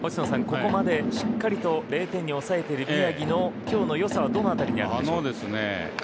ここまでしっかりと０点に抑えている宮城の今日の良さはどのあたりにありますか。